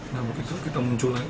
nah begitu kita muncul lagi